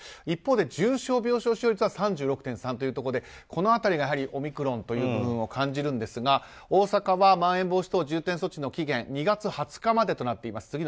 一方で重症病床使用率は３６．３というところでこの辺りがやはりオミクロンという部分を感じるんですが、大阪はまん延防止等重点措置の期限２月２０日までとなっています。